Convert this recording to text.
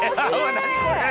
何これ！